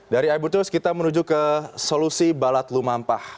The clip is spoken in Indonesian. dari abuturs kita menuju ke solusi balat lumampah